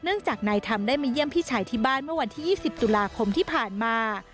จากนายธรรมได้มาเยี่ยมพี่ชายที่บ้านเมื่อวันที่๒๐ตุลาคมที่ผ่านมา